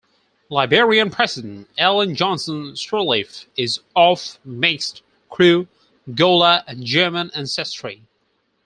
Liberian President Ellen Johnson Sirleaf is of mixed Kru, Gola, and German ancestry.